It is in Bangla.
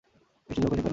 বৃষ্টি জোর করে চেপে এল।